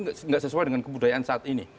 tidak sesuai dengan kebudayaan saat ini